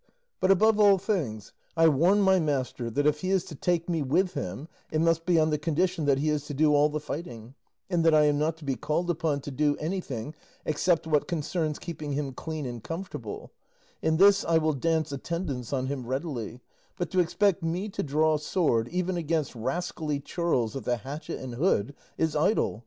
But, above all things, I warn my master that if he is to take me with him it must be on the condition that he is to do all the fighting, and that I am not to be called upon to do anything except what concerns keeping him clean and comfortable; in this I will dance attendance on him readily; but to expect me to draw sword, even against rascally churls of the hatchet and hood, is idle.